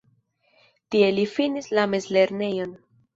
Tie li finis la mezlernejon.